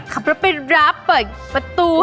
เขาปรับไปร้ายเปิดประตูให้